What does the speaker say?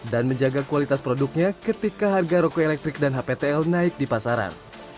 dan menjaga kualitas produknya ketika harga roko elektrik dan hptl naik di pasaran